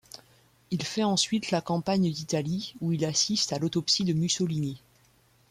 Il fait ensuite la campagne d'Italie où il assiste à l'autopsie de Mussolini.